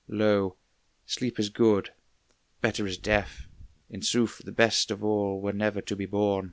Lo, sleep is good, better is death in sooth The best of all were never to be born.